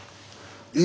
え？